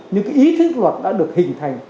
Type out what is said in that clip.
những cái ý thức luật đã được hình thành